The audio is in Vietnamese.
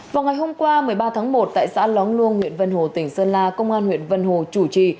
vào ngày hôm qua một mươi ba tháng một tại xã lóng luông huyện vân hồ tỉnh sơn la công an huyện vân hồ chủ trì